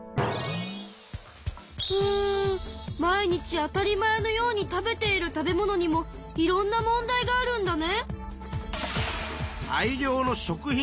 うん毎日当たり前のように食べている食べ物にもいろんな問題があるんだね。